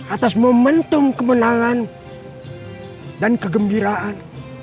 atas momentum kemenangan dan kegembiraan